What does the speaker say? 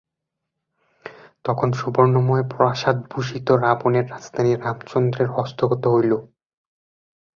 তখন সুবর্ণময় প্রাসাদভূষিত রাবণের রাজধানী রামচন্দ্রের হস্তগত হইল।